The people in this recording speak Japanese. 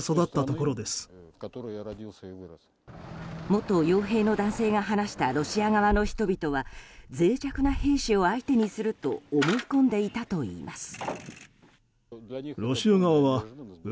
元傭兵の男性が話したロシア側の人々は脆弱な兵士を相手にすると思い込んでいたといいます。